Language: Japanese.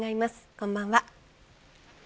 こんばんは。